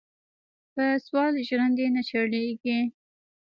پۀ سوال ژرندې نۀ چلېږي.